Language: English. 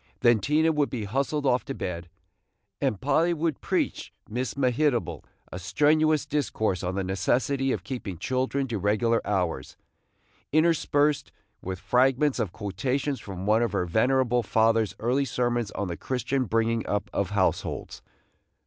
Then Tina would be hustled off to bed, and Polly would preach Miss Mehitable a strenuous discourse on the necessity of keeping children to regular hours, interspersed with fragments of quotations from one of her venerable father's early sermons on the Christian bringing up of households.